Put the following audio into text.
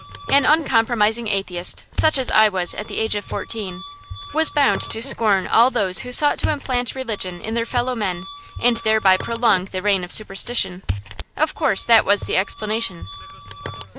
An uncompromising atheist, such as I was at the age of fourteen, was bound to scorn all those who sought to implant religion in their fellow men, and thereby prolong the reign of superstition. Of course that was the explanation.